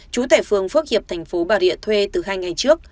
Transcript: chú tể phường phước hiệp thành phố bà rịa thuê từ hai ngày trước